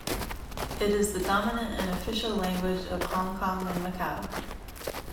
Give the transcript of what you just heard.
It is the dominant and official language of Hong Kong and Macau.